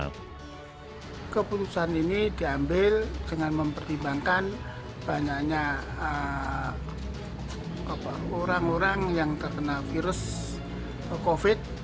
keputusan ini diambil dengan mempertimbangkan banyaknya orang orang yang terkena virus covid